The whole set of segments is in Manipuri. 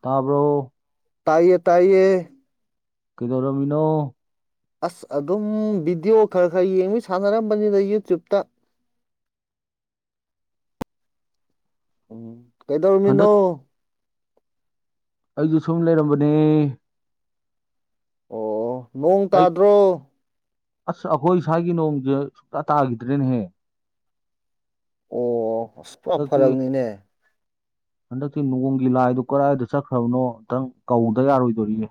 ꯇꯥꯔꯕꯣ ꯇꯥꯏꯌꯦ ꯇꯥꯏꯌꯦ ꯀꯩꯗꯧꯔꯝꯃꯤꯅꯣ ꯑꯁ ꯑꯗꯨꯝ ꯕꯤꯗꯤꯑꯣ ꯈꯔ ꯈꯔ ꯌꯦꯡꯃꯤ ꯁꯥꯟꯅꯔꯝꯕꯅꯤꯅ ꯌꯨꯇ꯭ꯌꯨꯕꯇ ꯎꯝ ꯀꯩꯗꯧꯔꯃꯤꯅꯣ ꯍꯟꯗꯛ ꯑꯩꯁꯨ ꯁꯨꯝ ꯂꯩꯔꯝꯕꯅꯦ ꯑꯣ ꯅꯣꯡ ꯑꯩ ꯇꯥꯗ꯭ꯔꯣ ꯑꯁ ꯑꯩꯈꯣꯏ ꯏꯁ꯭ꯋꯥꯥꯒꯤ ꯅꯣꯡꯁꯦ ꯁꯨꯛꯇ ꯇꯥꯈꯤꯗ꯭ꯔꯦꯅꯍꯦ ꯑꯣ ꯄꯨꯔꯥ ꯐꯔꯛꯅꯤꯅꯦ [unintelligible] ꯍꯟꯗꯛꯇꯤ ꯅꯣꯡꯒꯤ ꯂꯥꯏꯗꯣ ꯀꯗꯥꯥꯏꯗ ꯆꯠꯈ꯭ꯔꯕꯅꯣ ꯇꯪ ꯀꯧꯗ ꯌꯥꯔꯣꯏꯗꯣꯔꯤꯒꯦ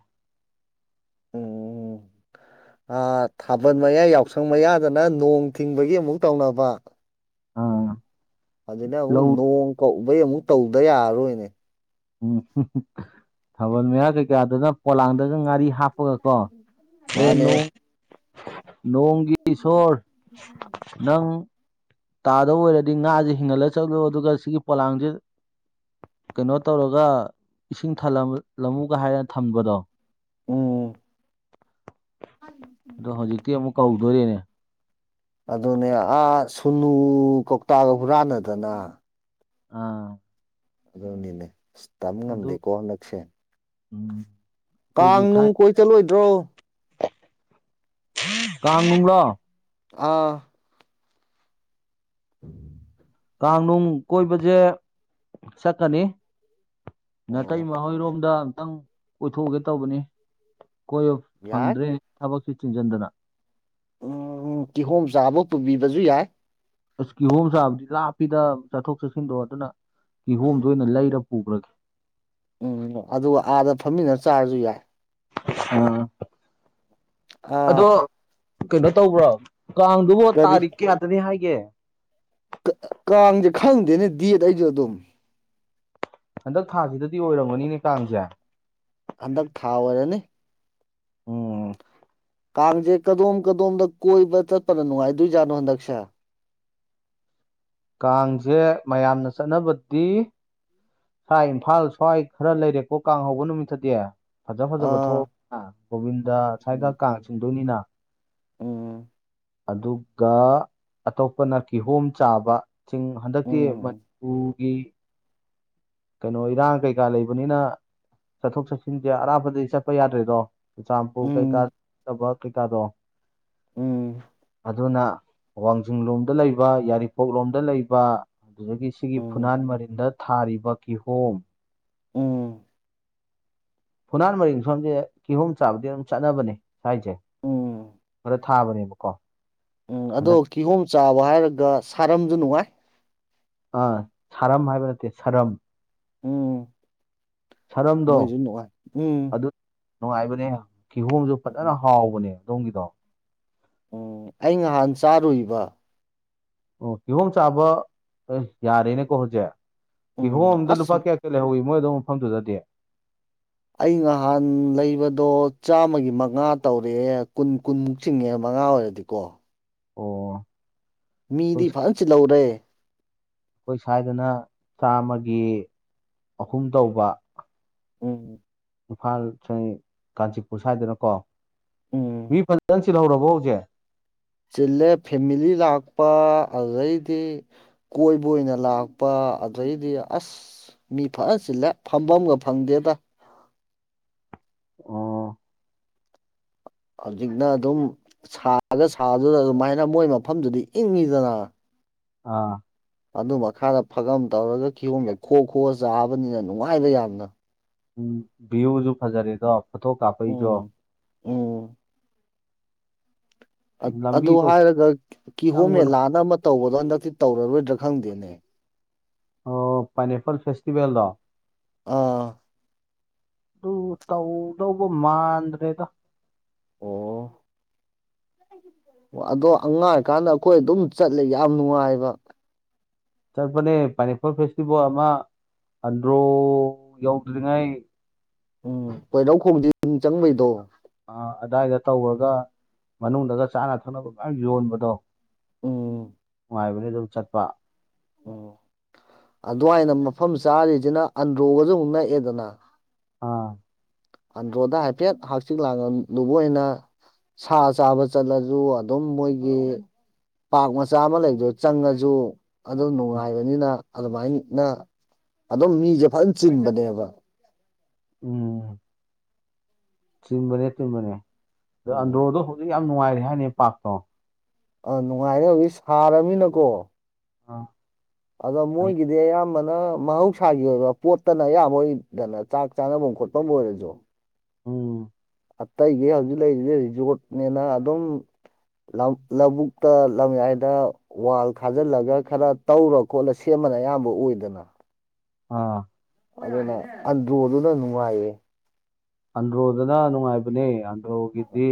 ꯎꯝ [inaudible] ꯊꯥꯕꯜ ꯃꯌꯥ ꯌꯥꯎꯁꯪ ꯃꯌꯥꯗꯅ ꯅꯣꯡ ꯊꯤꯡꯕꯒꯤ ꯑꯃꯨꯛ ꯇꯧꯅꯕ ꯑꯥ ꯑꯗꯨꯅ ꯑꯃꯨꯛ ꯂꯧ ꯅꯣꯡ ꯀꯧꯕꯩ ꯑꯃꯨꯛ ꯇꯧꯗ ꯌꯥꯔꯔꯣꯏꯅꯦ ꯎꯝ ꯊꯥꯕꯜ ꯃꯔꯥ ꯀꯩꯀꯥꯗꯨꯅ ꯄꯣꯂꯥꯡꯗꯒ ꯉꯥꯔꯤ ꯍꯥꯞꯄꯒ ꯀꯣ ꯑꯦ ꯃꯥꯅꯦ ꯅꯣꯡꯒꯤ ꯁꯣꯔ ꯅꯪ ꯇꯥꯗꯕ ꯑꯣꯏꯔꯗꯤ ꯉꯥꯁꯦ ꯍꯤꯡꯍꯠꯂ ꯆꯠꯂꯨ ꯑꯗꯨꯒ ꯁꯤꯒꯤ ꯄꯣꯂꯥꯡꯁꯦ ꯀꯩꯅꯣ ꯇꯧꯔꯒ ꯏꯁꯤꯡ ꯊꯜꯂꯝꯂꯝꯃꯨꯒ ꯍꯥꯏꯔꯅ ꯊꯝꯕꯗꯣ ꯑꯣ ꯑꯗꯣ ꯍꯧꯖꯤꯛꯇꯤ ꯑꯃꯨꯛ ꯀꯧꯗꯣꯔꯤꯅꯦ ꯑꯗꯨꯅꯦ ꯑꯥ ꯁꯨꯅꯨ ꯀꯧꯇꯥꯒ ꯍꯨꯔꯥꯟꯅꯗꯅ ꯑꯥ ꯑꯗꯨꯅꯤꯅꯦ ꯇꯕ ꯑꯗꯨ ꯉꯝꯗꯦꯀꯣ ꯍꯟꯗꯛꯁꯦ ꯎꯝ ꯀꯥꯡ ꯑꯩꯈꯣꯏꯒꯤ ꯊꯥꯏ ꯅꯨꯡ ꯀꯣꯏ ꯆꯠꯂꯣꯏꯗ꯭ꯔꯣ [unintelligible] ꯑꯥ [inaudible] ꯀꯥꯡꯅꯨꯡ ꯀꯣꯏꯕꯁꯦ ꯆꯠꯀꯅꯤ ꯅꯥꯇꯩ ꯑꯣ ꯃꯍꯣꯏꯔꯣꯝꯗ ꯑꯨꯛꯇꯪ ꯑꯣꯏꯊꯣꯛꯑꯒꯦ ꯇꯧꯕꯅꯤ ꯀꯣꯏꯌꯨ ꯌꯥꯏ ꯐꯪꯗ꯭ꯔꯦ ꯊꯕꯛꯁꯤ ꯆꯤꯡꯁꯤꯟꯗꯅ ꯎꯝ ꯎ ꯀꯤꯍꯣꯝ ꯆꯥꯕꯧ ꯄꯨꯕꯤꯕꯁꯨ ꯌꯥꯏ ꯑꯁ ꯀꯤꯍꯣꯝ ꯆꯥꯕꯗꯤ ꯂꯥꯞꯄꯤꯗ ꯆꯠꯊꯣꯛ ꯆꯠꯁꯤꯟꯗꯣ ꯇꯧꯔꯥꯗꯨꯅ ꯀꯤꯍꯣꯝꯗ ꯑꯣꯏꯅ ꯂꯩꯔ ꯄꯨꯈ꯭ꯔꯒꯦ ꯎꯝ ꯑꯗꯨꯒ ꯑꯥꯗ ꯐꯝꯃꯤꯟꯅ ꯆꯥꯔꯁꯨ ꯌꯥꯏ ꯑ ꯑꯗꯣ ꯑꯥ ꯀꯩꯅꯣ ꯇꯧꯕ꯭ꯔꯣ ꯀꯥꯡ ꯑꯗꯨ ꯀꯔꯤ ꯇꯥꯔꯤꯛ ꯀꯌꯥꯗꯅꯤ ꯍꯥꯏꯒꯦ ꯀꯥꯡꯁꯦ ꯈꯪꯗꯦꯅꯦ ꯗꯦꯠ ꯑꯩꯁꯨ ꯑꯗꯨꯝ ꯍꯟꯗꯛ ꯊꯥꯁꯤꯗꯥꯗꯤ ꯑꯣꯏꯔꯝꯒꯥꯅꯤꯅꯦ ꯀꯥꯡꯁꯦ ꯍꯟꯗꯛ ꯊꯥ ꯑꯣꯏꯔꯅꯤ ꯎꯝ ꯀꯥꯡꯁꯦ ꯀꯥꯗꯣꯝ ꯀꯥꯗꯣꯝꯗ ꯀꯣꯏꯕ ꯆꯠꯄꯥꯅ ꯅꯨꯡꯉꯥꯏꯗꯣꯏꯖꯥꯠꯅꯣ ꯍꯟꯗꯛꯁꯦ ꯀꯥꯡꯁꯦ ꯃꯌꯥꯝꯅ ꯆꯠꯅꯕꯗꯤ ꯁꯥꯥꯏ ꯏꯝꯐꯥꯜ ꯁ꯭ꯋꯥꯏ ꯈꯥꯔ ꯂꯩꯔꯦꯀꯣ ꯀꯥꯡ ꯍꯧꯕ ꯅꯨꯃꯤꯠꯇꯗꯤ ꯐꯥꯖ ꯐꯥꯖꯕ ꯑꯥ ꯊꯣꯛ ꯒꯣꯕꯤꯟꯗ ꯁ꯭ꯋꯥꯏꯗ ꯎꯝ ꯀꯥꯡ ꯆꯤꯡꯗꯣꯏꯅꯤꯅ ꯎꯝ ꯑꯗꯨꯒ ꯑꯇꯣꯞꯄꯥꯅ ꯀꯤꯍꯣꯝ ꯆꯥꯕ ꯆꯤꯡ ꯍꯟꯗꯛꯇꯤ ꯎꯝ ꯃꯅꯤꯄꯨꯔꯒꯤ ꯀꯩꯅꯣ ꯏꯔꯥꯡ ꯀꯩꯀꯥ ꯂꯩꯕꯅꯤꯅ ꯆꯠꯊꯣꯛ ꯆꯠꯁꯤꯟꯁꯦ ꯑꯔꯥꯞꯄꯗꯗꯤ ꯆꯠꯄ ꯌꯥꯗ꯭ꯔꯦꯗꯣ ꯆꯨꯆꯥꯝꯄꯨꯔ ꯎꯝ ꯀꯩꯀꯥꯗ ꯊꯕꯛ ꯀꯩꯀꯥꯗꯣ ꯎꯝ ꯑꯗꯨꯅ ꯋꯥꯡꯖꯤꯡ ꯂꯣꯝꯗ ꯂꯩꯕ ꯌꯥꯏꯔꯤꯄꯣꯛ ꯂꯣꯝꯗ ꯂꯩꯕ ꯑꯗꯨꯗꯒꯤ ꯁꯤꯒꯤ ꯎꯝ ꯐꯨꯅꯥꯟ ꯃꯥꯔꯤꯟꯗ ꯊꯥꯔꯤꯕ ꯀꯤꯍꯣꯝ ꯎꯝ ꯐꯨꯅꯥꯟ ꯃꯥꯔꯤꯡ ꯁꯣꯝꯁꯦ ꯀꯤꯍꯣꯝ ꯆꯥꯕꯗꯤ ꯑꯗꯨꯝ ꯆꯠꯅꯕꯅꯦ ꯁ꯭ꯋꯥꯏꯁꯦ ꯎꯝ ꯈꯔ ꯊꯥꯕꯅꯦꯕꯀꯣ ꯎꯝ ꯑꯗꯣ ꯍꯟꯗꯛ ꯀꯤꯍꯣꯝ ꯆꯥꯕ ꯍꯥꯏꯔꯒ ꯁꯥꯔꯝꯁꯨ ꯅꯨꯡꯉꯥꯏ ꯑ ꯁꯥꯔꯝ ꯍꯥꯏꯕ ꯅꯠꯇꯦ ꯁꯥꯔꯝ ꯎꯝ ꯁꯥꯔꯝꯗꯣ ꯃꯣꯏꯁꯨ ꯅꯨꯡꯉꯥꯏ ꯎꯝ ꯑꯗꯨ ꯅꯨꯡꯉꯥꯏꯕꯅꯦ ꯀꯤꯍꯣꯝꯁꯨ ꯐꯥꯖꯅ ꯎꯝ ꯍꯥꯎꯕꯅꯦ ꯑꯗꯣꯝꯒꯤꯗꯣ ꯎꯝ ꯑꯩ ꯉꯍꯥꯟ ꯆꯥꯔꯨꯏꯕ ꯑꯣ ꯀꯤꯍꯣꯝ ꯆꯥꯕ ꯑꯦ ꯌꯥꯔꯦꯅꯦꯀꯣ ꯍꯧꯖꯤꯛ ꯎꯝ ꯀꯤꯍꯣꯝꯗ ꯑꯁ ꯂꯨꯄꯥ ꯀꯌꯥ ꯂꯩꯍꯧꯋꯤ ꯃꯣꯏꯗꯧ ꯃꯐꯝꯗꯨꯗꯗꯤ ꯑꯩ ꯉꯍꯥꯟ ꯂꯩꯕꯗꯣ ꯆꯥꯝꯃꯒꯤ ꯃꯉꯥ ꯇꯧꯔꯛꯑꯦ ꯀꯨꯟ ꯀꯨꯟ ꯆꯤꯡꯉꯦ ꯃꯉꯥ ꯑꯣꯏꯔꯗꯤꯀꯣ ꯑꯣ ꯑꯩꯈꯣꯏ ꯃꯤꯗꯤ ꯐꯥꯖꯅ ꯆꯤꯜꯍꯧꯔꯦ ꯑꯩꯈꯣꯏ ꯁ꯭ꯋꯥꯏꯗꯅ ꯆꯥꯝꯃꯒꯤ ꯑꯍꯨꯝ ꯇꯧꯕ ꯎꯝ ꯏꯝꯐꯥꯜ ꯁ ꯀꯥꯟꯆꯤꯄꯨꯔ ꯁ꯭ꯋꯥꯏꯗꯅꯀꯣ ꯃꯤ ꯎꯝ ꯐꯥꯖꯅ ꯆꯤꯜꯍꯧꯔꯕꯣ ꯍꯧꯖꯤꯛ ꯆꯤꯜꯂꯦ ꯐꯦꯃꯤꯂꯤ ꯂꯥꯛꯄ ꯑꯗꯩꯗꯤ ꯀꯣꯏꯕ ꯑꯣꯏꯅ ꯂꯥꯛꯄ ꯑꯗꯩꯗꯤ ꯑꯁ ꯃꯤ ꯐꯥꯖꯅ ꯆꯤꯜꯂꯦ ꯐꯝꯐꯝꯒ ꯐꯪꯗꯦꯗ ꯑꯣ ꯍꯧꯖꯤꯛꯅ ꯑꯗꯨꯝ ꯁꯥꯔꯒ ꯁꯥꯗꯨꯗ ꯑꯗꯨꯃꯥꯏꯅ ꯃꯣꯏ ꯃꯥꯐꯝꯗꯨꯗꯤ ꯏꯪꯉꯤꯗꯅ ꯑꯥ ꯑꯗꯨ ꯃꯈꯥꯗ ꯐꯛꯑꯝ ꯇꯧꯔꯒ ꯀꯤꯍꯣꯝꯒꯥꯛ ꯈꯣꯛ ꯈꯣꯛꯑ ꯆꯥꯕꯅꯤꯅ ꯅꯨꯡꯉꯥꯏꯕ ꯌꯥꯝꯅ ꯎꯝ ꯚꯤꯌꯨꯁꯨ ꯐꯥꯖꯔꯦꯗꯣ ꯐꯣꯇꯣ ꯀꯥꯞꯄꯩꯁꯨ ꯎꯝ ꯎꯝ ꯑꯗꯨ ꯂꯝꯕꯤꯗꯣ ꯍꯥꯏꯔꯒ ꯀꯤꯍꯣꯝ ꯆꯪꯕ ꯅꯨꯡꯉꯥꯏ ꯃꯦꯂꯥꯅ ꯑꯃ ꯇꯧꯕꯗꯣ ꯍꯟꯗꯛꯇꯤ ꯇꯧꯔꯔꯣꯏꯗ꯭ꯔꯥ ꯈꯪꯗꯦꯅꯦ ꯄꯥꯏꯟꯅꯦꯄꯜ ꯐꯦꯁꯇꯤꯚꯦꯜꯗꯣ ꯑꯥ ꯑꯗꯨ ꯇꯧꯗꯧꯕ ꯃꯥꯟꯗ꯭ꯔꯦꯗ ꯑꯣ [unintelligible] ꯑꯣ ꯑꯗꯣ ꯑꯉꯥꯡ ꯑꯣꯏꯔꯤꯀꯥꯟꯗ ꯑꯩꯈꯣꯏ ꯑꯗꯨꯝ ꯆꯠꯂꯦ ꯌꯥꯝ ꯅꯨꯡꯉꯥꯏꯕ ꯆꯠꯄꯥꯅꯦ ꯄꯥꯏꯅꯦꯄꯜ ꯐꯦꯁꯇꯤꯚꯦꯜ ꯑꯃ ꯑꯟꯗ꯭ꯔꯣ ꯌꯧꯗ꯭ꯔꯤꯉꯩ ꯎꯝ ꯄꯣꯏꯔꯧ ꯈꯣꯡꯖꯤꯟ ꯆꯪꯕꯩꯗꯣ ꯑ ꯑꯗꯗꯥꯏꯗ ꯇꯧꯔꯒ ꯃꯅꯨꯡꯗꯒ ꯆꯥꯅ ꯊꯛꯅꯕ ꯃꯌꯥꯝ ꯌꯣꯟꯕꯗꯣ ꯎꯝ ꯅꯨꯡꯉꯥꯏꯕꯅꯤ ꯑꯗꯨꯝ ꯆꯠꯄ ꯑꯣ ꯑꯗꯨꯋꯥꯏꯅ ꯃꯐꯝ ꯆꯥꯔꯤꯖꯤꯅ ꯑꯟꯗ꯭ꯔꯣꯒꯖꯨ ꯑꯃꯨꯛ ꯅꯛꯑꯦꯗꯅ ꯑꯥ ꯑꯟꯗ꯭ꯔꯣꯗ ꯍꯥꯏꯐꯦꯠ ꯍꯥꯡꯆꯤꯛ ꯂꯥꯡꯉꯝꯗꯨꯕꯣ ꯑꯣꯏꯅ ꯁꯥ ꯆꯥꯕ ꯆꯠꯂꯖꯨ ꯑꯗꯨꯝ ꯃꯣꯏꯒꯤ ꯄꯥꯛ ꯃꯆꯥ ꯑꯃ ꯂꯩꯕꯗꯣ ꯆꯪꯉꯖꯨ ꯑꯗꯨ ꯅꯨꯡꯉꯥꯏꯕꯅꯤꯅ ꯑꯗꯨꯃꯥꯏꯅ ꯑꯗꯨꯝ ꯃꯤꯖꯦ ꯐꯖꯅ ꯆꯤꯟꯕꯅꯦꯕ ꯎꯝ ꯆꯤꯟꯕꯅꯦ ꯆꯤꯟꯕꯅꯦ ꯎꯝ ꯖꯥꯟꯗꯣꯗꯣ ꯍꯧꯖꯤꯛ ꯌꯥꯝ ꯅꯨꯡꯉꯥꯏꯔꯦ ꯍꯥꯏꯅꯦ ꯄꯥꯛꯇꯣ ꯑ ꯅꯨꯡꯉꯥꯏꯔꯦ ꯍꯧꯖꯤꯛ ꯁꯥꯔꯕꯅꯤꯅꯀꯣ ꯑꯥ ꯑꯗꯣ ꯑꯩ ꯃꯣꯏꯒꯤꯗꯤ ꯑꯌꯥꯝꯕꯅ ꯃꯍꯧꯁꯥꯒꯤ ꯑꯣꯏꯕ ꯄꯣꯠꯇꯅ ꯑꯌꯥꯕ ꯑꯣꯏꯗꯅ ꯆꯥꯛ ꯆꯥꯅꯕꯝ ꯈꯣꯠꯄꯝꯕꯨ ꯑꯣꯏꯔꯖꯨ ꯎꯝ ꯑꯇꯩꯗꯤ ꯍꯧꯖꯤꯛ ꯂꯩꯔꯤꯖꯤ ꯔꯤꯖꯣꯔꯠꯅꯦꯅ ꯑꯗꯨꯝ ꯂꯧ ꯂꯧꯕꯨꯛꯇ ꯂꯝꯌꯥꯏꯗ ꯋꯥꯜ ꯈꯥꯖꯜꯂꯒ ꯈꯔ ꯇꯧꯔ ꯈꯣꯠꯂ ꯁꯦꯝꯕꯅ ꯑꯌꯥꯝꯕ ꯑꯣꯏꯗꯅ ꯑꯥ ꯑꯗꯨꯅ ꯑꯟꯗ꯭ꯔꯣꯗꯨꯅ ꯅꯨꯡꯉꯥꯏꯌꯦ ꯑꯟꯗ꯭ꯔꯣꯗꯅ ꯅꯨꯡꯉꯥꯏꯕꯅꯦ ꯑꯟꯗ꯭ꯔꯣꯒꯤꯗꯤ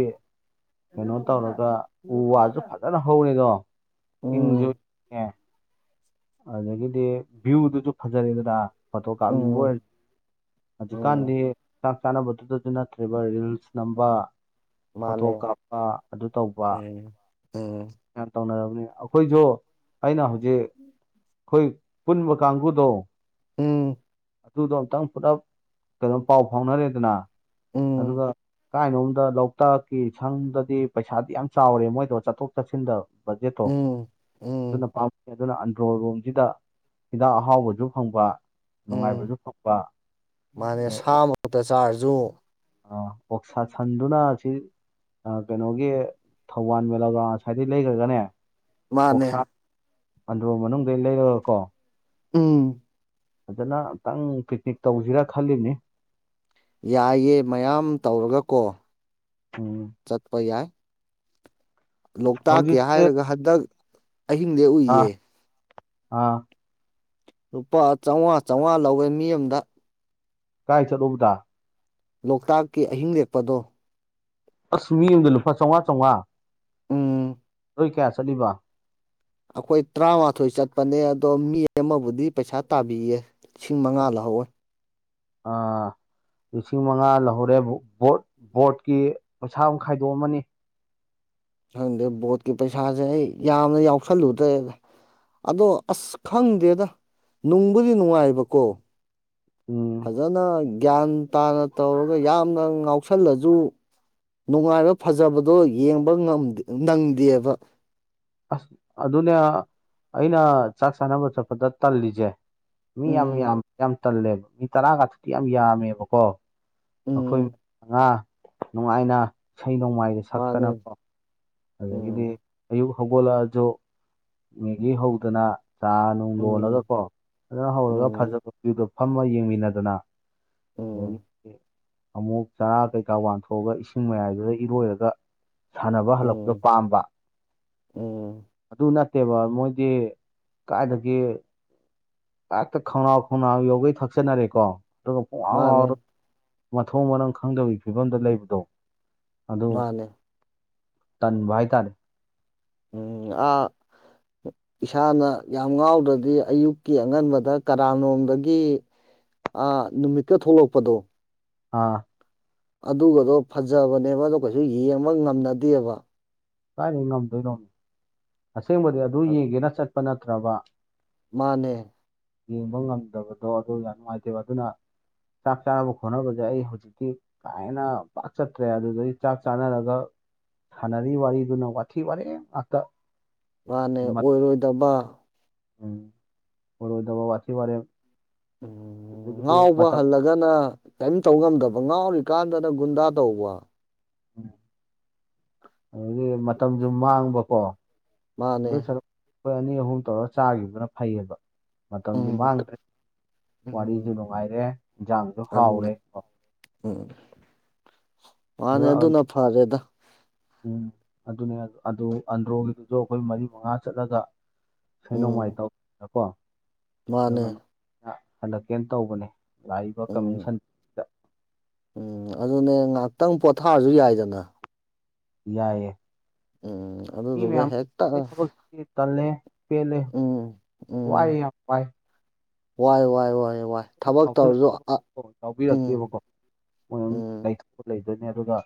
ꯀꯩꯅꯣ ꯇꯧꯔꯒ ꯎ ꯋꯥꯖꯨ ꯐꯖꯅ ꯍꯧꯔꯦꯗꯣ ꯏꯪꯖꯨ ꯎꯝ ꯏꯪꯉꯦ ꯑꯗꯒꯤꯗꯤ ꯚ꯭ꯌꯨꯗꯨꯖꯨ ꯐꯖꯔꯦꯗꯅ ꯐꯣꯇꯣ ꯀꯥꯞꯅꯤꯡꯕ ꯎꯝ ꯑꯣꯏꯔ ꯎꯝ ꯍꯧꯖꯤꯛꯀꯥꯟꯗꯤ ꯀꯥꯟꯅꯕꯗꯨꯗꯖꯨ ꯅꯠꯇ꯭ꯔꯦꯕ ꯔꯤꯜꯁ ꯅꯝꯕ ꯐꯣꯇꯣ ꯃꯥꯅꯦ ꯀꯥꯞꯄ ꯑꯗꯨ ꯇꯧꯕ ꯎꯝ ꯎꯝ ꯌꯥꯝ ꯇꯧꯅꯔꯕꯅꯤ ꯑꯈꯣꯏꯁꯨ ꯑꯩꯅ ꯍꯧꯖꯤꯛ ꯈꯣꯏ ꯄꯨꯟꯕ ꯀꯥꯡꯕꯨꯗꯣ ꯎꯝ ꯑꯗꯨꯗꯣ ꯑꯝꯇꯪ ꯄꯨꯂꯞ ꯀꯩꯅꯣ ꯄꯥꯎ ꯐꯥꯎꯅꯔꯦꯗꯅ ꯎꯝ ꯑꯗꯨꯒ ꯀꯥꯏꯅꯣꯝꯗ ꯂꯣꯛꯇꯥꯛꯀꯤ ꯁꯪꯗꯗꯤ ꯄꯩꯁꯥꯗꯤ ꯌꯥꯝ ꯆꯥꯎꯔꯦ ꯃꯣꯏꯗꯣ ꯆꯠꯊꯣꯛ ꯆꯠꯁꯤꯟꯗ ꯕꯖꯦꯠꯇꯣ ꯎꯝ ꯑꯗꯨꯅ ꯎꯝ ꯄꯥꯝ ꯗꯨꯅ ꯑꯟꯗ꯭ꯔꯣ ꯔꯣꯝꯒꯤꯗ ꯍꯤꯗꯥꯛ ꯑꯍꯥꯎꯕꯖꯨ ꯐꯪꯕ ꯎꯝ ꯅꯨꯡꯉꯥꯏꯕꯖꯨ ꯐꯪꯕ ꯃꯥꯅꯦ ꯁꯥ ꯃꯛꯇ ꯆꯥꯔꯖꯨ ꯑ ꯑꯣꯛꯁꯥ ꯁꯟꯗꯨꯅ ꯑꯁꯤ ꯑꯥ ꯀꯦꯅꯣꯒꯤ ꯊꯧꯕꯥꯟ ꯃꯦꯂꯥꯒ꯭ꯔꯥꯎꯟ ꯑꯁꯥꯏꯗꯩ ꯂꯩꯒꯔꯥꯒꯅꯦ ꯃꯥꯅꯦ ꯑꯣꯛꯁꯥ ꯑꯟꯗ꯭ꯔꯣ ꯃꯅꯨꯡꯗꯩ ꯂꯩꯔꯒꯀꯣ ꯎꯝ ꯐꯖꯅ ꯑꯝꯇꯪ ꯄꯤꯛꯅꯤꯛ ꯇꯧꯖꯤꯔꯥ ꯈꯜꯂꯤꯝꯅꯤ ꯌꯥꯏꯌꯦ ꯃꯌꯥꯝ ꯇꯧꯔꯒ ꯀꯣ ꯎꯝ ꯆꯠꯄ ꯌꯥꯏ ꯂꯣꯛꯇꯥꯛꯀꯤ ꯍꯧꯖꯤꯛꯁꯦ ꯍꯥꯏꯔꯒ ꯍꯟꯗꯛ ꯑꯍꯤꯡꯗ ꯑꯥ ꯂꯦꯛꯎꯏꯌꯦ ꯑꯥ ꯂꯨꯄꯥ ꯆꯧꯉꯥ ꯆꯧꯉꯥ ꯂꯧꯋꯦ ꯃꯤ ꯑꯝꯗ ꯀꯥꯏ ꯆꯠꯂꯨꯕꯗ ꯂꯣꯛꯇꯥꯛꯀꯤ ꯑꯍꯤꯡ ꯂꯦꯛꯄꯗꯣ ꯑꯁ ꯃꯤ ꯑꯝꯗ ꯂꯨꯄꯥꯥ ꯆꯧꯉꯥ ꯆꯧꯉꯥ ꯎꯝ... ꯅꯣꯏ ꯀꯌꯥ ꯆꯠꯂꯤꯕ ꯑꯈꯣꯏ ꯇ꯭ꯔꯥꯃꯥꯊꯣꯏ ꯆꯠꯄꯅꯦ ꯑꯗꯣ ꯃꯤ ꯑꯃꯕꯨꯗꯤ ꯄꯩꯁꯥ ꯇꯥꯕꯤꯌꯦ ꯂꯤꯁꯤꯡ ꯃꯉꯥ ꯂꯧꯍꯧꯋꯦ ꯑꯥ... ꯂꯤꯁꯤꯡ ꯃꯉꯥ ꯂꯧꯍꯧꯔꯦ ꯕꯣꯠ ꯕꯣꯔꯠꯀꯤ ꯄꯩꯁꯥ ꯑꯃ ꯈꯥꯏꯗꯣꯛꯑꯃꯅꯤ ꯁꯪꯗꯦ ꯕꯣꯠꯀꯤ ꯄꯩꯁꯥꯁꯦ ꯑꯩ ꯌꯥꯝꯅ ꯌꯥꯎꯁꯜꯂꯨꯗ꯭ꯔꯦ ꯑꯗꯣ ꯑꯁ ꯈꯪꯗꯦꯗ ꯅꯨꯡꯕꯨꯗꯤ ꯅꯨꯡꯉꯥꯏꯕꯀꯣ ꯎꯝ ꯐꯖꯅ ꯒ꯭ꯌꯥꯟ ꯇꯥꯅ ꯇꯧꯔꯒ ꯌꯥꯝꯅ ꯉꯥꯎꯁꯜꯂꯁꯨ ꯅꯨꯡꯉꯥꯏꯕ ꯐꯖꯕꯗꯣ ꯌꯦꯡꯕ ꯉꯝ ꯅꯪꯗꯦꯕ ꯑꯁ ꯑꯗꯨꯅꯦ ꯑꯥ ꯑꯩꯅ ꯆꯥꯛ ꯆꯥꯅꯕ ꯆꯠꯄꯗ ꯇꯜꯂꯤꯁꯦ ꯃꯤ ꯌꯥꯝ ꯎꯝ ꯌꯥꯝ ꯌꯥꯝꯇꯜꯂꯦꯕ ꯃꯤ ꯇꯔꯥ ꯒꯠꯇꯨꯗꯤ ꯌꯥꯝ ꯌꯥꯝꯃꯦꯕꯀꯣ ꯑꯩꯈꯣꯏ ꯎꯝ ꯉꯥ ꯅꯨꯡꯉꯥꯏꯅ ꯏꯁꯩꯅꯣꯡꯃꯥꯏꯗ ꯃꯥꯅꯦ ꯁꯛꯇꯅꯀꯣ ꯑꯗꯒꯤꯗꯤ ꯎꯝ ꯑꯌꯨꯛ ꯍꯧꯒꯣꯠꯂꯛꯑꯁꯨ ꯃꯦꯒꯤ ꯍꯧꯗꯅ ꯆꯥꯅꯨꯡ ꯎꯝ ꯂꯣꯜꯂꯒꯀꯣ ꯑꯖꯅ ꯍꯧꯔꯒ ꯎꯝ ꯐꯖꯕ ꯄꯤꯕ ꯐꯝꯃ ꯌꯦꯡꯃꯤꯟꯅꯗꯅ ꯔꯣꯟ ꯎꯝ ꯄꯦ ꯑꯃꯨꯛ ꯆꯔꯥ ꯀꯩꯀꯥ ꯋꯥꯟꯊꯣꯑꯒ ꯏꯁꯤꯡ ꯃꯌꯥꯏꯗꯨꯗ ꯏꯔꯣꯏꯔꯒ ꯁꯥꯟꯅꯕ ꯍꯜꯂꯛ ꯗꯣ ꯎꯝ ꯄꯥꯝꯕ ꯎꯝ ꯑꯗꯨꯅ ꯇꯦꯕ ꯃꯣꯏꯗꯤ ꯀꯥꯏꯗꯒꯤ ꯍꯛꯇ ꯈꯣꯡꯅꯥꯎ ꯈꯣꯡꯅꯥꯎ ꯊꯛꯆꯟꯅꯔꯦꯀꯣ ꯑꯗꯨꯒ ꯄꯨꯉꯧ ꯃꯥꯅꯦ ꯉꯧꯔ ꯃꯊꯣꯡ ꯃꯔꯝ ꯈꯪꯗꯕꯒꯤ ꯐꯤꯕꯝꯗ ꯂꯩꯕꯗꯣ ꯑꯗꯨ ꯃꯥꯅꯦ ꯇꯟꯕꯥ ꯍꯥꯏꯇꯔꯦ ꯎꯝꯑꯥꯍ ꯎꯟ ꯏꯁꯥꯅ ꯌꯥꯝꯉꯧꯗ꯭ꯗꯤꯔ ꯑꯌꯨꯛꯀꯤ ꯑꯉꯟꯕꯗ ꯀꯔꯥꯅꯣꯝꯗꯒꯤ ꯑ ꯅꯨꯃꯤꯠꯀ ꯊꯣꯛꯂꯛꯄꯗꯣ ꯑꯥꯍ ꯑꯗꯨꯒꯗꯣ ꯐꯖꯕꯅꯦꯕ ꯑꯗꯣ ꯀꯩꯁꯨ ꯌꯦꯡꯕ ꯉꯝꯅꯗꯦꯕ ꯀꯥꯏꯅꯩ ꯉꯝꯗꯣꯏꯅꯣ ꯑꯁꯦꯡꯕꯗꯤ ꯑꯗꯨ ꯌꯦꯡꯒꯦꯅ ꯆꯠꯄ ꯅꯠꯇ꯭ꯔꯕ ꯃꯥꯅꯦ ꯌꯦꯡꯕ ꯉꯝꯗꯕꯗꯣ ꯑꯗꯨ ꯌꯥꯝ ꯅꯨꯡꯉꯥꯏꯇꯦꯕ ꯑꯗꯨꯅ ꯆꯥꯛ ꯆꯥꯅꯕ ꯈꯣꯠꯅꯕꯁꯦ ꯑꯩ ꯍꯧꯖꯤꯛꯇꯤ ꯀꯥꯏꯅ ꯄꯥꯛ ꯆꯠꯇ꯭ꯔꯦ ꯑꯗꯨꯗꯩꯩ ꯆꯥꯛ ꯆꯥꯅꯔꯒ ꯁꯥꯟꯅꯔꯤ ꯋꯥꯔꯤ ꯗꯨꯅ ꯋꯥꯊꯤꯋꯔꯦꯝ ꯉꯥꯛꯇꯥ ꯃꯥꯅꯦ ꯑꯣꯏꯔꯣꯏꯗꯕ ꯎꯝ ꯑꯣꯏꯔꯣꯏꯗꯕ ꯋꯥꯔꯦꯝ ꯑꯗꯒꯤꯗꯤ ꯉꯧꯕ ꯃꯇꯝ ꯍꯜꯂꯘ ꯒꯟꯅ ꯀꯩꯝ ꯇꯧ ꯉꯝꯗꯕ ꯉꯥꯎꯔꯤꯀꯥꯟꯗꯅ ꯒꯨꯟꯗꯥ ꯇꯧꯕ ꯑꯔꯩꯌꯤ ꯃꯇꯝꯁꯨ ꯃꯥꯡꯕꯀꯣ ꯃꯥꯅꯦ ꯑꯗꯨ ꯁꯔꯨꯛ ꯈꯣꯏ ꯑꯅꯤ ꯑꯍꯨꯝ ꯇꯧꯔꯒ ꯆꯥꯈꯤꯕꯗꯨꯅ ꯐꯩꯌꯦꯕ ꯃꯇꯝꯖꯨ ꯎꯝ ꯃꯥꯡꯗ꯭ꯔꯦ ꯋꯥꯔꯤꯖꯨ ꯎꯝ ꯅꯨꯡꯉꯥꯏꯔꯦ ꯏꯟꯖꯥꯡ ꯑꯗꯨꯅꯦ ꯍꯧꯔꯦ ꯀꯣ ꯎꯝ ꯃꯥꯅꯤ ꯑꯗꯨꯅ ꯐꯔꯦꯗ ꯎꯝ ꯑꯗꯨꯅꯦ ꯑ ꯑꯗꯨ ꯑꯟꯗ꯭ꯔꯣꯒꯤꯗꯨꯁꯨ ꯑꯩꯈꯣꯏ ꯃꯔꯤ ꯃꯉꯥ ꯆꯠꯂꯒ ꯁꯣꯏ ꯅꯣꯡꯃꯥꯏ ꯎꯝ ꯇꯧꯗꯀꯣ ꯃꯥꯅꯦ ꯑꯔꯨꯒ ꯑꯌ ꯍꯟꯗꯛꯀꯦꯅ ꯇꯧꯕꯅꯦ ꯂꯥꯛꯏꯕ ꯎꯝ ꯀꯃꯤꯁꯟ ꯎꯝ ꯑꯗꯨꯅꯦ ꯉꯥꯍꯛꯇꯪ ꯄꯣꯊꯥꯔꯖꯨ ꯌꯥꯏꯗꯅ ꯌꯥꯌꯦ ꯎꯝ ꯃꯤ ꯑꯗꯨꯗꯨꯒ ꯃꯌꯥꯝ ꯅꯍ ꯍꯦꯛꯇ ꯈꯑꯣꯏ ꯊꯕꯛ ꯗꯤ ꯇꯜꯂꯦ ꯄꯦꯜꯂꯦ ꯎꯝ ꯎꯝ ꯋꯥꯏꯌꯦꯌꯥꯝ ꯋꯥꯏ ꯋꯥꯏ ꯋꯥꯏ ꯋꯥꯏꯦ ꯋꯥꯏ ꯈꯛ ꯊꯕꯛ ꯉꯧꯁꯤꯂꯛ ꯇꯧꯔꯁꯨ ꯑ ꯊꯛ ꯎꯝ ꯌꯧꯕꯤꯔꯛꯇꯦꯕꯀꯣ ꯑꯝ ꯎꯝ ꯂꯩꯊꯣꯛ ꯂꯩꯗꯣꯏꯅꯦꯑꯗꯨꯒ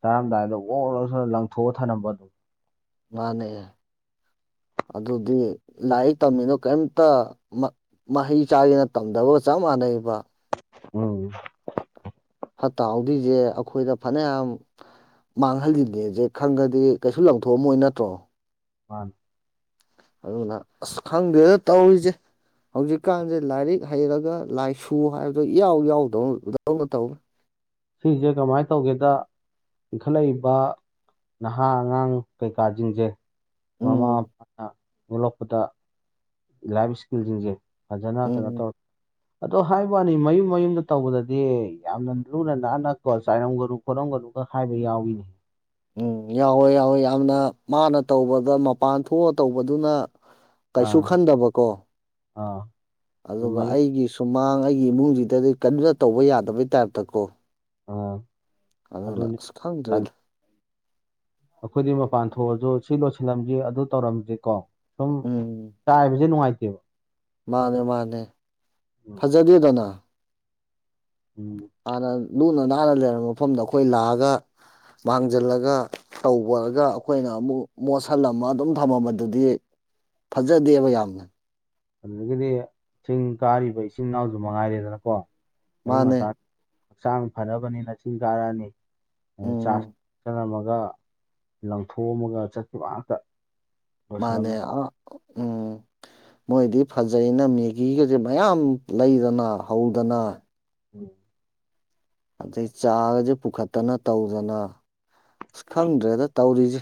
ꯆꯥꯔꯝꯗꯥꯏꯗ ꯑꯣꯔꯥ ꯂꯪꯊꯣꯛꯑ ꯊꯥꯅꯝꯕ ꯑꯗꯨ ꯃꯥꯅꯦ ꯑꯗꯨꯗꯤ ꯂꯥꯏꯔꯤꯛ ꯇꯝꯃꯤꯅꯣ ꯀꯩꯝꯇ ꯃꯍꯩ ꯆꯥꯒꯅ ꯇꯝꯗꯕꯒ ꯆꯞ ꯃꯥꯟꯅꯩꯕ ꯎꯝ ꯐꯠꯇ ꯍꯥꯎꯗꯣꯏꯁꯦ ꯑꯩꯈꯣꯏꯗ ꯐꯅꯌꯥꯝ ꯃꯥꯡꯍꯜꯂꯤꯅꯦꯁꯦ ꯈꯪꯒꯗꯤ ꯀꯩꯁꯨ ꯂꯪꯊꯣꯛꯑꯝꯃꯣꯏ ꯅꯠꯇ꯭ꯔꯣ ꯍ ꯑꯗꯨꯅ ꯑꯁ ꯈꯪꯗꯦꯗ ꯇꯧꯔꯤꯁꯦ ꯍꯧꯖꯤꯛꯀꯥꯟꯁꯦ ꯂꯥꯏꯔꯤꯛ ꯍꯩꯔꯒ ꯂꯥꯏꯁꯨ ꯍꯥꯏꯕꯗꯣ ꯏꯌꯥꯎ ꯌꯥꯎꯗꯧꯅꯗꯧꯅ ꯇꯧꯋ ꯁꯤꯁꯦ ꯀꯃꯥꯏꯅ ꯇꯧꯒꯦꯗ ꯏꯟꯈꯠꯂꯛꯏꯕ ꯅꯍꯥ ꯑꯉꯥꯡ ꯀꯩꯀꯥꯁꯤꯡꯁꯦ ꯃꯃꯥ ꯎꯝ ꯃꯄꯥꯅ ꯑꯣꯂꯛꯄꯗ ꯂꯥꯏꯐ ꯏꯁꯀꯤꯜꯁꯤꯡꯁꯦ ꯐꯖꯅ ꯀꯩꯅꯣ ꯎꯝ ꯇꯧꯔ ꯑꯗꯣ ꯍꯥꯏꯕꯅꯤ ꯃꯌꯨꯝ ꯃꯌꯨꯝꯗ ꯇꯧꯕꯗꯗꯤ ꯌꯥꯝꯅ ꯑꯨꯅ ꯅꯍꯟꯅꯛ ꯀ ꯆꯥꯏꯔꯝꯒꯅꯨ ꯈꯣꯠꯂꯝꯒꯅꯨꯒ ꯍꯥꯏꯕ ꯌꯥꯎꯏꯅꯦ ꯎꯝ ꯌꯥꯎꯋꯦ ꯌꯥꯎꯋꯦ ꯌꯥꯝꯅ ꯃꯥꯅ ꯇꯧꯕꯗ ꯃꯄꯥꯟ ꯊꯣꯛꯑ ꯇꯧꯕꯗꯨꯅ ꯀꯩꯁꯨ ꯑꯥ ꯈꯟꯗꯕꯀꯣ ꯑꯥ ꯑꯗꯨ ꯑꯗꯨꯒ ꯃꯌꯨꯝ ꯑꯩꯒꯤꯁꯨ ꯁꯨꯃꯥꯡ ꯑꯩꯒꯤ ꯏꯃꯨꯡꯁꯤꯗꯗꯤ ꯀꯟꯅ ꯇꯧꯕ ꯌꯥꯗꯕꯩ ꯇꯥꯏꯞꯇꯀꯣ ꯑꯥ ꯑꯗꯨꯅ ꯑꯗꯨꯅꯤ ꯑꯁꯨ ꯇꯜꯂꯤ꯫ ꯈꯪꯗ꯭ꯔꯦꯗꯤ ꯑꯩꯈꯣꯏꯗꯤ ꯃꯄꯥꯟ ꯊꯣꯛꯑꯁꯨ ꯁꯤ ꯂꯣꯏꯁꯤꯜꯂꯝꯁꯤꯦ ꯑꯗꯨ ꯇꯧꯔꯝꯁꯤꯦ ꯀꯣ ꯁꯨꯝ ꯎꯝ ꯆꯥꯏꯕꯁꯦ ꯅꯨꯡꯉꯥꯏꯇꯦꯕ ꯃꯥꯅꯦ ꯃꯥꯅꯦ ꯎꯝ ꯐꯖꯗꯦꯗꯅ ꯎꯝ ꯍꯥꯟꯅ ꯂꯨꯅ ꯅꯥꯟꯅ ꯂꯩꯔꯝꯕ ꯃꯐꯝꯗ ꯑꯩꯈꯣꯏ ꯂꯥꯛꯑꯒ ꯃꯥꯡꯖꯤꯜꯂꯒ ꯇꯧꯕꯔꯒ ꯑꯩꯈꯣꯏꯅ ꯑꯃꯨꯛ ꯃꯣꯠꯁꯤꯜꯂꯝꯃ ꯑꯗꯨꯝ ꯊꯝꯃꯝꯕꯗꯨꯗꯤ ꯐꯖꯗꯦꯕ ꯌꯥꯝꯅ ꯑꯗꯨꯗꯒꯤꯗꯤ ꯊꯤꯡ ꯀꯥꯔꯤꯕ ꯏꯆꯤꯟ ꯏꯅꯥꯎꯁꯨ ꯃꯉꯥꯏꯔꯦꯗꯅꯀꯣ ꯑꯌꯨꯛ ꯃꯥꯅꯦ ꯉꯇꯥ ꯍꯛꯆꯥꯡ ꯐꯅꯕꯅꯤꯅꯆꯤꯟ ꯀꯥꯔꯛꯑꯅꯤ ꯆꯥꯔꯖ ꯎꯝ ꯆꯔꯝꯃꯒ ꯂꯪꯊꯣꯛꯑꯝꯃꯒ ꯆꯠꯈꯤꯕ ꯉꯥꯛꯇ ꯃꯅꯦ ꯂꯣꯏꯁꯤꯜꯂꯝꯃꯤ ꯑ ꯎꯝ ꯃꯣꯏꯗꯤ ꯐꯖꯩꯅ ꯃꯦꯒꯤꯒꯁꯦ ꯃꯌꯥꯝ ꯂꯩꯗꯅ ꯍꯧꯗꯅ ꯎꯝ ꯑꯗꯩ ꯆꯥꯒꯁꯦ ꯄꯨꯈꯠꯇꯅ ꯇꯧꯗꯅ ꯑꯁ ꯈꯪꯗ꯭ꯔꯦꯗ ꯇꯧꯔꯤꯁꯦ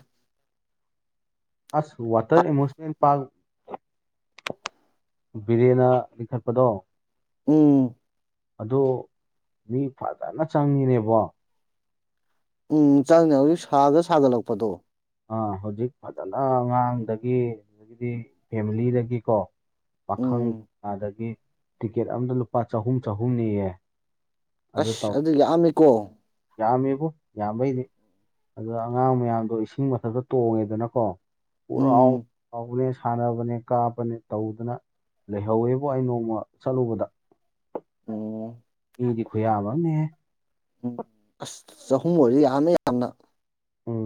ꯑꯁ ꯋꯥꯇꯔ ꯏꯃꯣꯁ ꯄꯥꯛ ꯕꯤꯔꯌꯥꯅꯥ ꯂꯤꯡꯈꯠꯄꯗꯣ ꯎꯝ ꯑꯗꯣ ꯃꯤ ꯐꯖꯅ ꯆꯪꯉꯤꯅꯦꯕꯣ ꯎꯝ ꯆꯪꯉ ꯍꯧꯖꯤꯛ ꯁꯥꯗ ꯁꯥꯒꯠꯂꯛꯄꯗꯣ ꯑ ꯍꯧꯖꯤꯛ ꯐꯖꯅ ꯑꯉꯥꯡꯗꯒꯤ ꯑꯗꯒꯤꯗꯤ ꯐꯦꯃꯤꯂꯤꯗꯒꯤꯀꯣ ꯄꯥꯈꯪ ꯎꯝ ꯑꯗꯒꯤ ꯇꯤꯀꯦꯠ ꯑꯝꯗ ꯂꯨꯄꯥ ꯆꯍꯨꯝ ꯆꯍꯨꯝꯅꯤꯌꯦ ꯑꯁ ꯑꯗꯨ ꯂꯥꯛꯑꯝꯃꯤꯀꯣ ꯌꯥꯝꯃꯦꯕ ꯌꯥꯝꯕꯩꯗꯤ ꯑꯗꯨ ꯑꯉꯥꯡ ꯃꯌꯥꯝꯗꯣ ꯏꯁꯤꯡ ꯃꯊꯛꯇ ꯇꯣꯡꯉꯦꯗꯅꯀꯣ ꯎꯝ ꯄꯨꯔꯅꯦ ꯁꯥꯟꯅꯕꯅꯦ ꯀꯥꯕꯅꯦ ꯇꯧꯗꯅ ꯂꯩꯍꯧꯋꯦꯕꯨ ꯑꯩ ꯅꯣꯡꯃ ꯆꯠꯂꯨꯕꯗ ꯎꯝ ꯃꯤꯗꯤ ꯈꯨꯌꯥꯕꯅꯦ ꯎꯝ ꯑꯁ ꯆꯍꯨꯝ ꯑꯣꯏꯗꯤ ꯌꯥꯅ ꯎꯝ